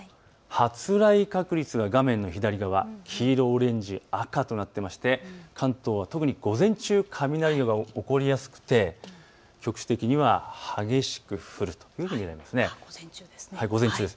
発雷確率が画面の左側、黄色、オレンジ、赤となっていまして関東は特に午前中、雷が起こりやすくて局地的には激しく降るというふうに見られます。